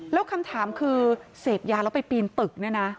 แล้วคำถามคือเสพยาแล้วไปปีนตึกเนี่ยนะ